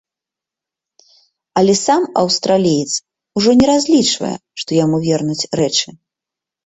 Але сам аўстраліец ужо не разлічвае, што яму вернуць рэчы.